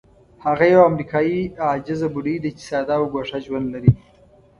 هغه یوه امریکایي عاجزه بوډۍ ده چې ساده او ګوښه ژوند لري.